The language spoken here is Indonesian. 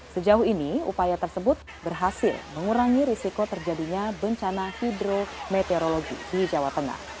sejauh ini upaya tersebut berhasil mengurangi risiko terjadinya bencana hidrometeorologi di jawa tengah